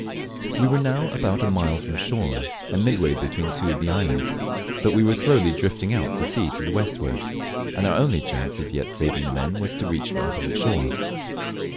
We were now about a mile from shore, and midway between two of the islands, but we were slowly drifting out, to sea to the westward, and our only chance of yet saving the men was to reach the opposite shore.